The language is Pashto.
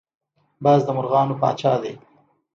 باز د مرغانو پاچا دی